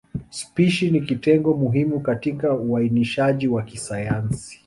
Spishi ni kitengo muhimu katika uainishaji wa kisayansi.